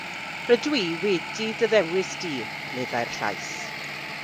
“Rydw i wedi dy ddewis di,” meddai'r Llais.